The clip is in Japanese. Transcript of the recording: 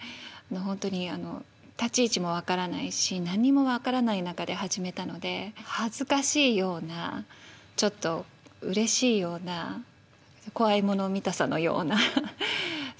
本当にあの立ち位置も分からないし何にも分からない中で始めたので恥ずかしいようなちょっとうれしいような怖いもの見たさのようなそんな気分です。